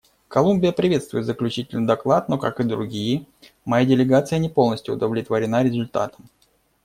Колумбия приветствует заключительный доклад, но, как и другие, моя делегация не полностью удовлетворена результатом.